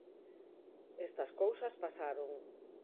Estas cousas pasaron.